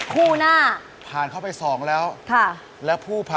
คุณคิดมั้ยว่า